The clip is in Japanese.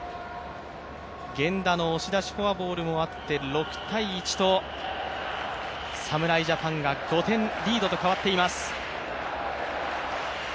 源田の押し出しフォアボールもあって６−１と侍ジャパンが５点リードと変わっています。